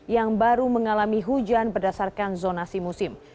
yang baru mengalami hujan berdasarkan zonasi musim